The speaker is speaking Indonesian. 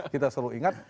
kita selalu ingat